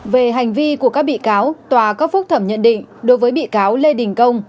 về hành vi của các bị cáo tòa cấp phúc thẩm nhận định đối với bị cáo lê đình công